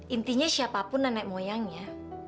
intinya siapapun nenek moyangnya